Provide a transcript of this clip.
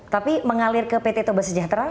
tapi mengalir ke pt toba sejahtera